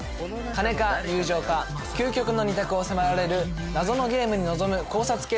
金か友情か究極の２択を迫られる謎のゲームに臨む考察系ドラマです。